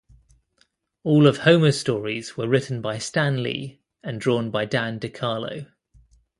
All of Homer's stories were written by Stan Lee and drawn by Dan DeCarlo.